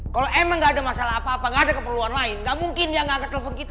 kalo emang gak ada masalah apa apa gak ada keperluan lain gak mungkin dia gak angkat telepon kita